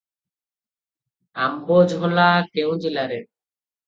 ଆମ୍ବଝୋଲା କେଉଁ ଜିଲ୍ଲାରେ?